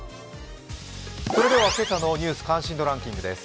それでは今朝の「ニュース関心度ランキング」です。